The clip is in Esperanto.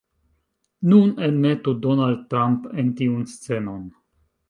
Nun, enmetu Donald Trump en tiun scenon